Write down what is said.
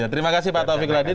terima kasih pak taufik radit